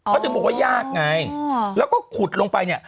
เขาถึงบอกว่ายากไงแล้วก็ขุดลงไปเนี่ย